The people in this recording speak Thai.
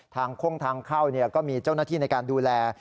ทางค่วงทางเข้าเนี่ยก็มีเจ้าหน้าที่ในการดูแล